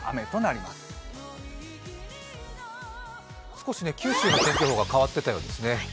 少し九州の天気予報が変わっていたようです。